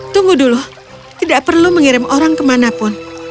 tunggu dulu tidak perlu mengirim orang kemanapun